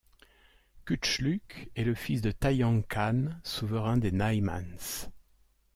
Kütchlüg est le fils de Tayang Khan, souverain des Naïmans.